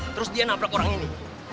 terus dia naprak orang ini